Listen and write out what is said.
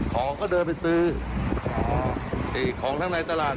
ของก็เดินไปซื้อของข้างในตลาด